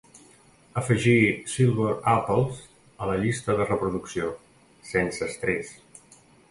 Afegir Silver Apples a la llista de reproducció: Sense estrès.